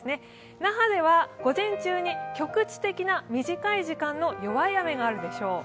那覇では午前中に局地的な短い時間の弱い雨があるでしょう。